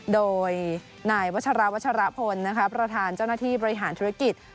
โดยนายวัชราวัชรพลประธานเจ้าหน้าที่บริหารธุรกิจ